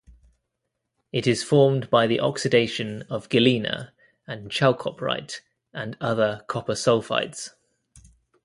It is formed by the oxidation of galena and chalcopyrite and other copper sulfides.